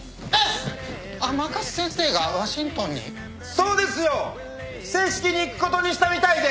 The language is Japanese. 「そうですよ正式に行くことにしたみたいで」